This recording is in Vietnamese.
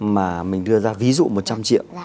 mà mình đưa ra ví dụ một trăm linh triệu